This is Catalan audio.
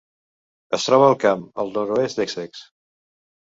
Es troba al camp al nord-oest d'Essex.